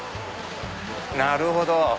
なるほど！